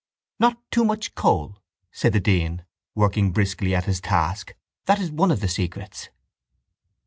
—Not too much coal, said the dean, working briskly at his task, that is one of the secrets.